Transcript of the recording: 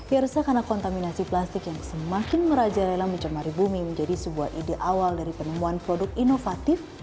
irsa karena kontaminasi plastik yang semakin meraja rela mencemari bumi menjadi sebuah ide awal dari penemuan produk inovatif